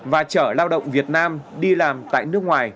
và chở lao động việt nam đi làm tại nước ngoài